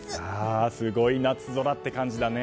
すごい夏空って感じだね。